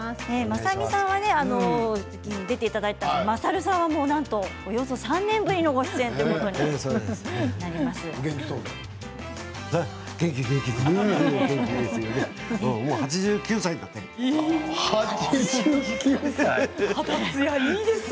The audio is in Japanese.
まさみさんは出ていただいたんですがまさるさんは、およそ３年ぶりのご出演ということになります。